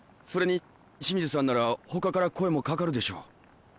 それに清水さんなら他から声もかかるでしょう。